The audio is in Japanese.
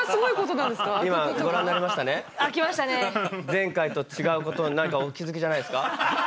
前回と違うこと何かお気付きじゃないですか？